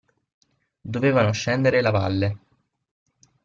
Dovevano scendere la valle.